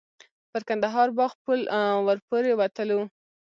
پر کندهار باغ پل ور پورې وتلو.